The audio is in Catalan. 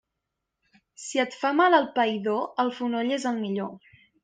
Si et fa mal el païdor, el fonoll és el millor.